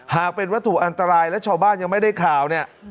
หากเป็นวัตถุอันตรายและชาวบ้านยังไม่ได้ข่าวเนี่ย